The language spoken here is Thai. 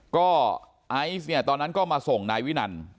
ก็ไอซ์เนี่ยตอนนั้นก็มาส่งนายวินัน